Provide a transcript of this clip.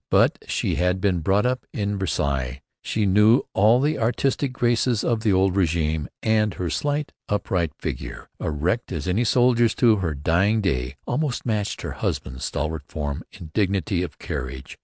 But she had been brought up at Versailles. She knew all the aristocratic graces of the old regime. And her slight, upright figure erect as any soldier's to her dying day almost matched her husband's stalwart form in dignity of carriage.